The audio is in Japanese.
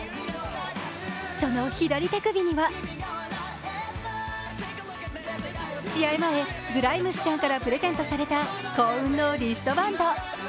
その左手首には試合前、グライムスちゃんからプレゼントされた幸運のリストバンド。